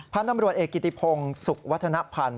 พันธุ์ตำรวจเอกกิติพงศ์สุขวัฒนภัณฑ์